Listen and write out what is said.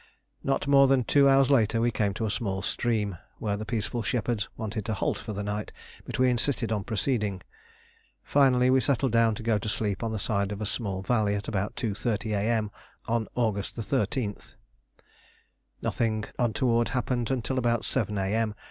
Not more than two hours later we came to a small stream where the peaceful shepherds wanted to halt for the night, but we insisted on proceeding. Finally, we settled down to go to sleep on the side of a small valley at about 2.30 A.M. on August 13th. Nothing untoward happened till about 7 A.M.